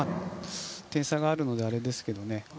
点差があるのであれですけどね。